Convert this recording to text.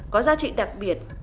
có giá trị đặc biệt